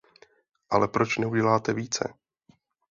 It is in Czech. Ale proč neuděláte více?